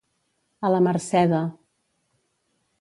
A la mercè de.